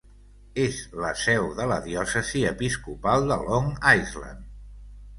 És la seu de la diòcesi episcopal de Long Island.